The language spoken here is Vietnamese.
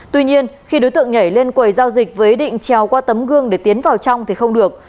tuy nhiên khi đối tượng nhảy lên quầy giao dịch với ý định trèo qua tấm gương để tiến vào trong thì không được